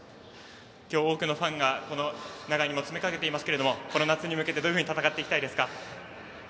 今日多くのファンが長居にも詰め掛けていますがこの夏に向けてどう戦っていきたいですか？